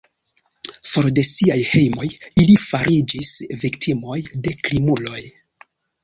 For de siaj hejmoj ili fariĝis viktimoj de krimuloj.